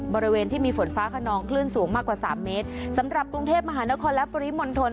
บริเวณที่มีฝนฟ้าขนองคลื่นสูงมากกว่าสามเมตรสำหรับกรุงเทพมหานครและปริมณฑล